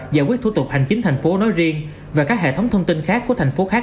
giải quyết thủ tục hành chính thành phố nói riêng và các hệ thống thông tin khác của thành phố khác